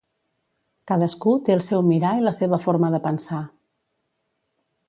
Cadascú té el seu mirar i la seva forma de pensar.